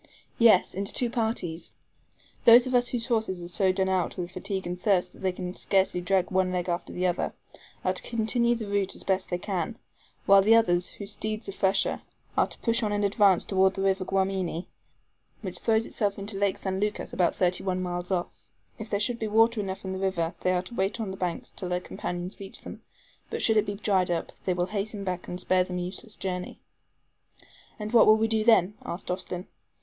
"Yes, into two parties. Those of us whose horses are so done out with fatigue and thirst that they can scarcely drag one leg after the other, are to continue the route as they best can, while the others, whose steeds are fresher, are to push on in advance toward the river Guamini, which throws itself into Lake San Lucas about thirty one miles off. If there should be water enough in the river, they are to wait on the banks till their companions reach them; but should it be dried up, they will hasten back and spare them a useless journey." "And what will we do then?" asked Austin.